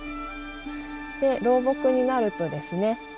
老木になるとですね